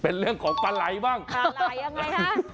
เป็นเรื่องของปลาไหล่บ้างปลาไหล่ยังไงคะ